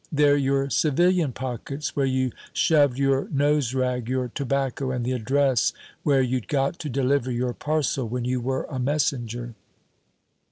They're your civilian pockets, where you shoved your nose rag, your tobacco, and the address where you'd got to deliver your parcel when you were a messenger."